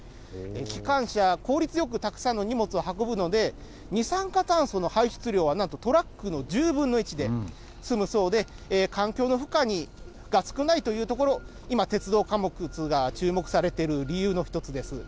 機関車、効率よくたくさんの荷物を運ぶので、二酸化炭素の排出量はなんとトラックの１０分の１で済むそうで、環境の負荷が少ないというところ、今、鉄道貨物が注目されている理由の一つです。